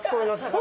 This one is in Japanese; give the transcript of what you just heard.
あ！